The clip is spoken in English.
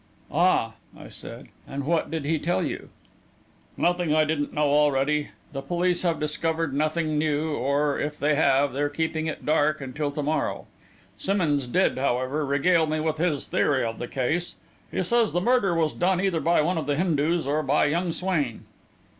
"Ah," I said; "and what did he tell you?" "Nothing I didn't know already. The police have discovered nothing new or, if they have, they're keeping it dark until to morrow. Simmonds did, however, regale me with his theory of the case. He says the murder was done either by one of the Hindus or by young Swain."